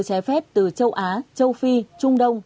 trái phép từ châu á châu phi trung đông